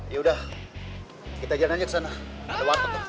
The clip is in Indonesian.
yaudah kita jalan aja ke sana ada waktu